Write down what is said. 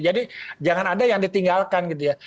jadi jangan ada yang ditinggalkan gitu ya